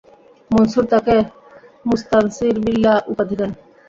মনসূর তাঁকে মুসতানসির বিল্লাহ্ উপাধি দেন।